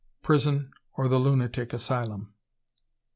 Prison or the lunatic asylum.